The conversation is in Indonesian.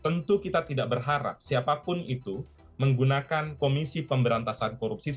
tentu kita tidak berharap siapapun itu menggunakan komisi pemberantasan korupsi